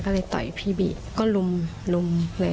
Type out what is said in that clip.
ก็เลยต่อยพี่บีก็ลุมลุมเลย